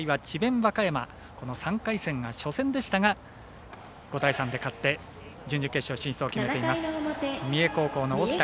和歌山３回戦が初戦でしたが５対３で勝って準々決勝進出を決めています。